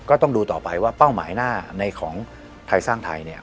ต้องดูต่อไปว่าเป้าหมายหน้าในของไทยสร้างไทยเนี่ย